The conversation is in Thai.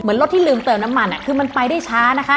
รถที่ลืมเติมน้ำมันคือมันไปได้ช้านะคะ